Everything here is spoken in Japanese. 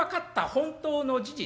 本当の事実。